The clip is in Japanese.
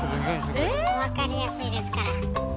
分かりやすいですから。